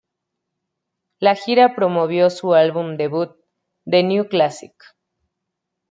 La gira promovió su álbum debut, The New Classic.